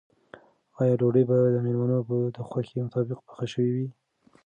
آیا ډوډۍ به د مېلمنو د خوښې مطابق پخه شوې وي؟